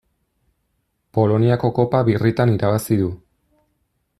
Poloniako Kopa birritan irabazi du.